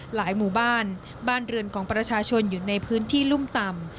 หมู่บ้านบ้านเรือนของประชาชนอยู่ในพื้นที่รุ่มต่ำ